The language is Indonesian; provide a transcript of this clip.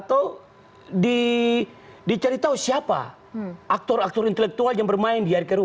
atau dicari tahu siapa aktor aktor intelektual yang bermain di hari kerumu